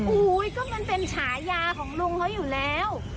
อุ้ยก็มันเป็นฉายาของลุงเขาอยู่แล้ว